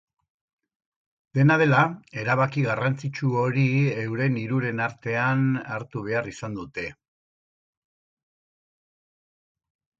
Dena dela, erabaki garrantzitsu hori euren hiruren artean hartu behar izan dute.